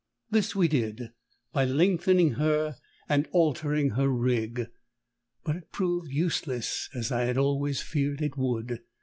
This we did by lengthening her and altering her rig. But it proved useless, as I had always feared it would.